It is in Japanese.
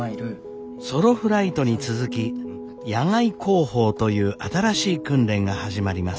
．ソロフライトに続き野外航法という新しい訓練が始まります。